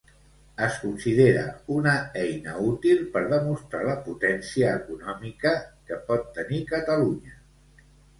Es considera una eina útil per demostrar la potència econòmica que pot tenir Catalunya.